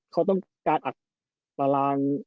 เขาต้องการอัดตาราง